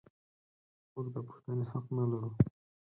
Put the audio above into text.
موږ د پوښتنې حق نه لرو.